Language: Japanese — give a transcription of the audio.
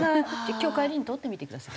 今日帰りに通ってみてください。